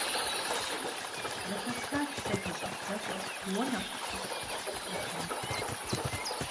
Зыхэсхат сэ ди щӀэблэщӀэм уэ нэхъ лӀыхъу яхэмыту.